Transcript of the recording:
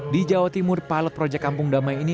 di jawa timur palet projek kampung damai ini